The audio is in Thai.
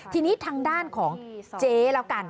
ทีนี้ทางด้านของเจ๊แล้วกัน